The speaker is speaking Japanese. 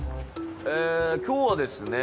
え今日はですね